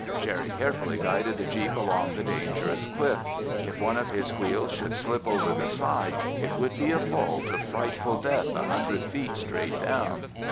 Jerry carefully guided the jeep along the dangerous cliff. If one of his wheels should slip over the side, it would be a fall to frightful death a hundred feet straight down.